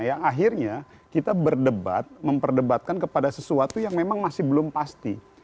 yang akhirnya kita berdebat memperdebatkan kepada sesuatu yang memang masih belum pasti